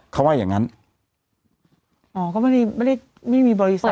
เขาว่าอย่างงั้นอ๋อก็ไม่ได้ไม่ได้ไม่มีบริษัท